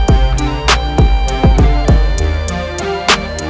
ayah mikir elsa mikir